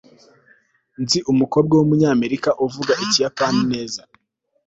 nzi umukobwa wumunyamerika uvuga ikiyapani neza